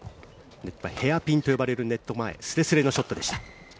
ヘアピンと呼ばれるネット前すれすれのショットでした。